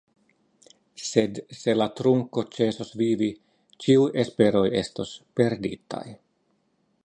Sed se la trunko ĉesos vivi, ĉiuj esperoj estos perditaj.